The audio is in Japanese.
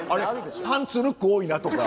パンツルック多いなとか。